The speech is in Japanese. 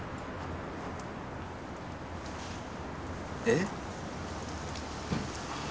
えっ。